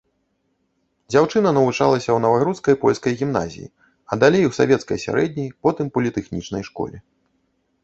Дзяўчына навучалася ў навагрудскай польскай гімназіі, а далей у савецкай сярэдняй, потым політэхнічнай школе.